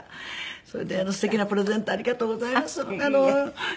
それですてきなプレゼントありがとうございます。